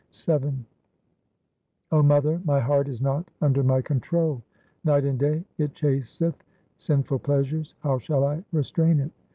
VII 0 mother, my heart is not under my control ; Night and day it chaseth sinful pleasures ; how shall I restrain it